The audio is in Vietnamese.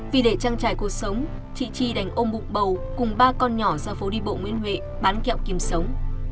vì để trăng trải cuộc sống chị tri đành ôm bụng bầu cùng ba con nhỏ ra phố đi bộ nguyên huệ bán kẹo kiếm sống